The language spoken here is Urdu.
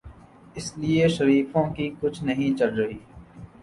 اسی لیے شریفوں کی کچھ نہیں چل رہی۔